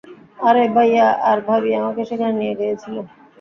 আরে, ভাইয়া আর ভাবি আমাকে সেখানে নিয়ে গিয়েছিল।